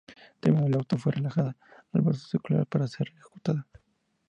Terminado el auto fue relajada al "brazo secular" para ser ejecutada.